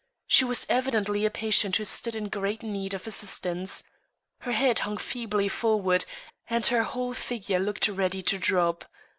She was evidently a patient who stood in great need of assistance. Her head hung feebly forward, and her whole figure looked ready to drop.